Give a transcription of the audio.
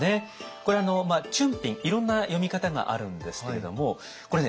これ春いろんな読み方があるんですけれどもこれね